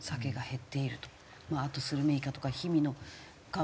あとスルメイカとか氷見の。